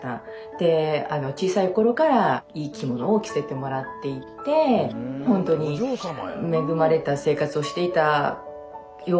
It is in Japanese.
で小さい頃からいい着物を着せてもらっていてほんとに恵まれた生活をしていたように聞いてますけれども。